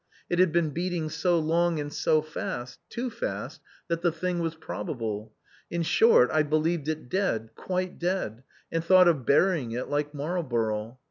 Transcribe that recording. It had been beating so long and so fast, too fast, that the thing was probable. In short I believed it dead, quite dead, and thought of burying it like Marlborough.